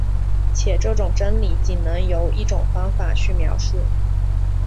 且这种真理仅能由一种方法去描述。